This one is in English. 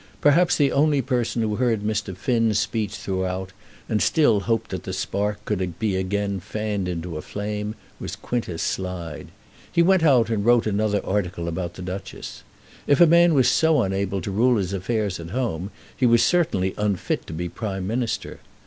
Perhaps the only person who heard Mr. Finn's speech throughout, and still hoped that the spark could be again fanned into a flame, was Quintus Slide. He went out and wrote another article about the Duchess. If a man was so unable to rule his affairs at home, he was certainly unfit to be Prime Minister.